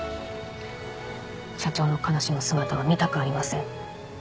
社長の悲しむ姿は見たくありません。